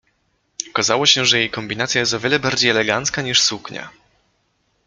Okazało się, że jej kombinacja jest o wiele bardziej elegancka niż suknia.